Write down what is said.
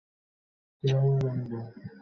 প্রখ্যাত সেনাপতিরাও তাঁর শিষ্য ছিল।